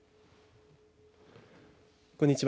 こんにちは。